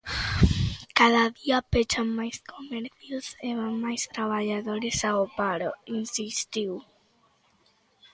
Cada día pechan mais comercios e van máis traballadores ao paro, insistiu.